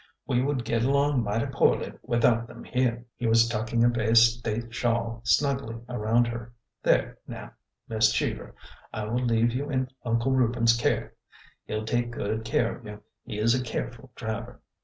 We would get along mighty porely without them here." He was tucking a Bay State shawl snugly around her. "There! Now, Miss Cheever, I will leave you in Uncle MISS ABBY ANN ARRIVES 21 Reuben's care. He 'll take good care of you. He is a careful driver."